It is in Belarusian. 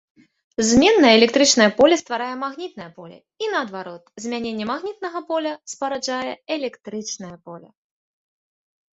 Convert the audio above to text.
Зменнае электрычнае поле стварае магнітнае поле, і наадварот змяненне магнітнага поля спараджае электрычнае поле.